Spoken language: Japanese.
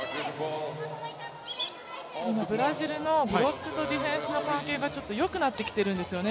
ブラジルのブロックとディフェンスの関係がちょっとよくなってきているんですね。